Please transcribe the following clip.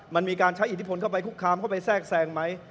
มันมีการใช้อิทธิพลเข้าไปคุกคามเข้าไปแทรกแทรงไหม